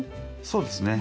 そうですね。